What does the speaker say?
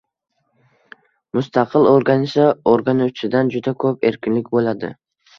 Mustaqil o’rganishda o’rganuvchidan juda ko’p erkinlik bo’ladi